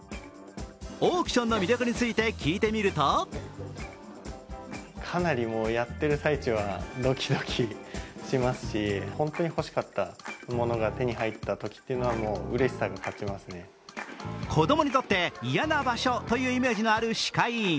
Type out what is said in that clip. オークションの魅力について聞いてみると子供にとって嫌な場所というイメージがある歯科医院。